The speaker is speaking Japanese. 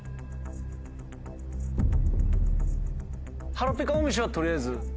『はらぺこあおむし』は取りあえず。